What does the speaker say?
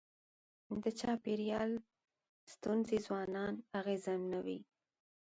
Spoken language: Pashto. د چاپېریال ستونزي ځوانان اغېزمنوي.